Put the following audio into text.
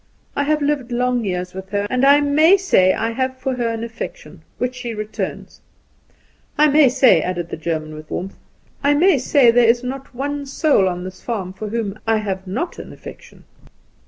I have lived long years with her, and I may say, I have for her an affection, which she returns. I may say," added the German with warmth, "I may say, that there is not one soul on this farm for whom I have not an affection."